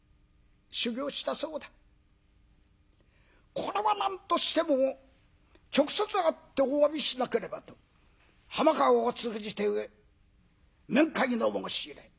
これは何としても直接会ってお詫びしなければと浜川を通じて面会の申し入れ。